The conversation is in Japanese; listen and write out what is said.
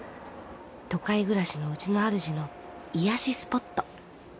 都会暮らしのうちのあるじの癒やしスポット。